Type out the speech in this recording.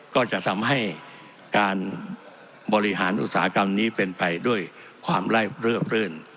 ก็จะทำให้การบริหารอุตสาหกรรมนี้เป็นไปด้วยความลาบเริบรื่น